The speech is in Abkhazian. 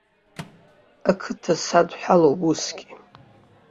Ақыҭа садҳәалоуп усгьы.